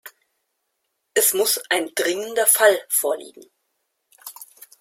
Es muss ein „dringender Fall“ vorliegen.